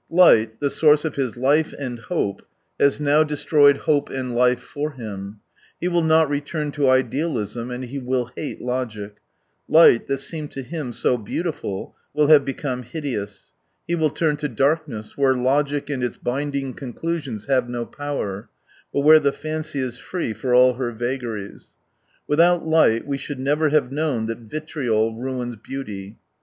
Light, the source of his life and hope, has now destroyed hope and life for hun. He will not return to idealism, and he will hate logic : light, that seemed to him so beautiful, will have become hideous. He will turn to darkness, where logic and its binding conclusions have no power, but where the fancy is free for all her vagaries. Without light we should never have known that vitriol ruins beauty.